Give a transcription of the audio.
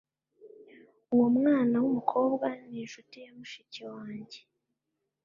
Uwo mwana wumukobwa ninshuti ya mushiki wanjye